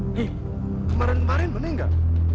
nih kemarin kemarin meninggal